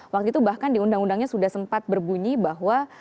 waktu itu bahkan di undang undangnya sudah sempat berbunyi bahwa